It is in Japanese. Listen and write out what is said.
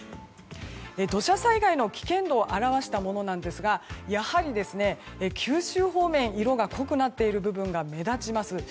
土砂災害の危険度を表したものですがやはり九州方面色が濃くなっている部分が目立ちます。